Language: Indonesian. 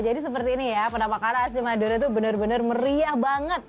jadi seperti ini ya penampakannya nasi madura itu benar benar meriah banget